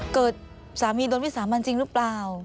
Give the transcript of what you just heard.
เกิดสามีโดนวิสามันจริงหรือเปล่า